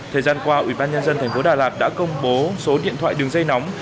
thời gian qua ủy ban nhân dân thành phố đà lạt đã công bố số điện thoại đường dây nóng